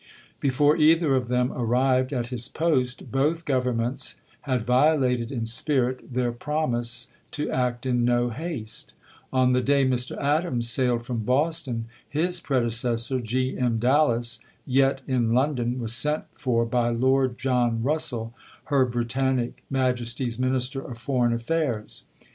Before either of them arrived at his post, both governments had violated in spirit their promise to act in no haste. On the day Mr. Adams sailed from Boston, his predecessor, G. M. Dallas, yet in London, was sent for by Lord John Rus sell, her Britannic Majesty's Minister of Foreign Affairs.